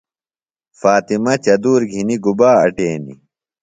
فاطمہ چدُور گِھنیۡ گُبا اٹینیۡ؟